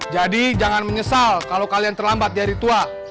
jadi jangan menyesal kalo kalian terlambat di hari tua